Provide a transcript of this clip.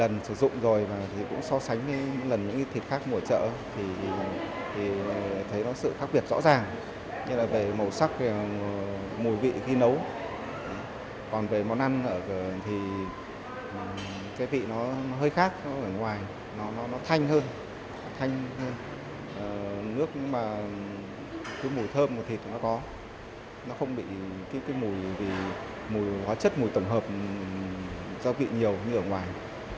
nước mà mùi thơm của thịt nó có nó không bị mùi hóa chất mùi tổng hợp rau vị nhiều như ở ngoài